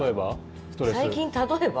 最近、例えば？